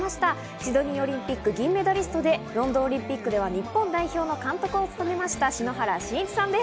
シドニーオリンピック銀メダリストでロンドンオリンピックでは日本代表の監督も務めました、篠原信一さんです。